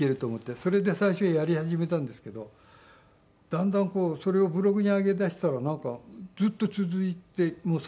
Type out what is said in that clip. それで最初やり始めたんですけどだんだんそれをブログに上げだしたらなんかずっと続いてもう３００回ぐらい。